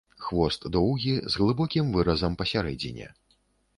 Хвост доўгі, з глыбокім выразам пасярэдзіне.